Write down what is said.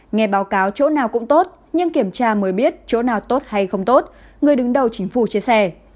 nghe báo cáo chỗ nào cũng tốt nhưng kiểm tra mới biết chỗ nào tốt hay không tốt người đứng đầu chính phủ chia sẻ